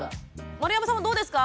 丸山さんもどうですか？